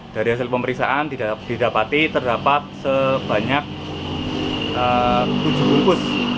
dari hasil pemeriksaan didapati terdapat sebanyak tujuh bungkus